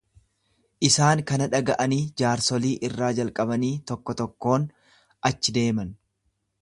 Isaan kana dhaga'anii jaarsolii irraa jalqabanii tokko tokkoon achii deeman.